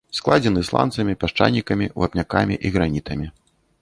Складзены сланцамі, пясчанікамі, вапнякамі, гранітамі.